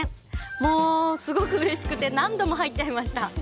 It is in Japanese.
もうすごくうれしくて何度も入っちゃいました。